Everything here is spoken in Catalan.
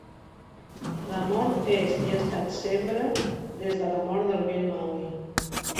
La mort és i ha estat sembre des de la mort del vell Maui.